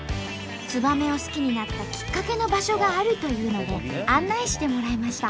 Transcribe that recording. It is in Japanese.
ツバメを好きになったきっかけの場所があるというので案内してもらいました。